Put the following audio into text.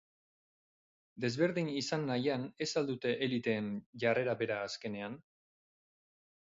Desberdin izan nahian ez al dute eliteen jarrera bera azkenean?